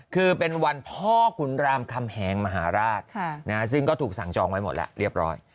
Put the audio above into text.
คือเป็นวันพ่อขุนรามคำแหงมหาราชซึ่งก็ถูกสั่งจองไว้หมดแล้วเรียบร้อย